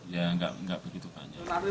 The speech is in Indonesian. ya nggak begitu banyak